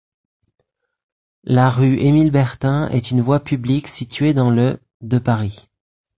La rue Émile-Bertin est une voie publique située dans le de Paris.